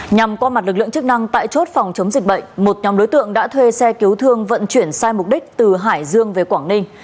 nhằm qua mặt lực lượng chức năng tại chốt phòng chống dịch bệnh một nhóm đối tượng đã thuê xe cứu thương vận chuyển sai mục đích từ hải dương về quảng ninh